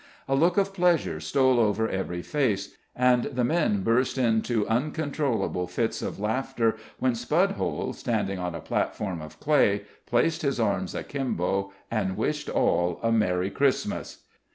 A look of pleasure stole over every face and the men burst into uncontrollable fits of laughter when Spudhole, standing on a platform of clay, placed his arms akimbo and wished all a merry Christmas.